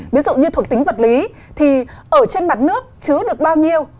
ví dụ như thuộc tính vật lý thì ở trên mặt nước chứa được bao nhiêu